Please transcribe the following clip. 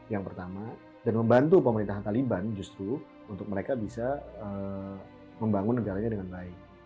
yang pertama dan membantu pemerintahan taliban justru untuk mereka bisa membangun negaranya dengan baik